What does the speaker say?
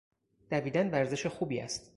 دویدن ورزش خوبی است.